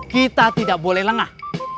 kita tidak boleh lengah